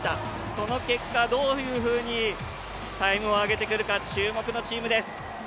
その結果どういうふうにタイムを上げてくるか注目のチームです。